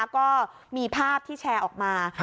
ก็มีภาพที่แชร์ออกมา